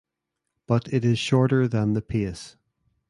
But it is shorter than the pace.